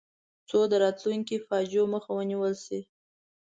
څو د راتلونکو فاجعو مخه ونیول شي.